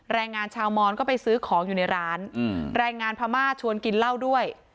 แรงงานชาวมอนก็ไปซื้อของอยู่ในร้านแรงงานพม่าชวนกินเหล้าด้วย